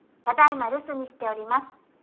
ただいま留守にしております。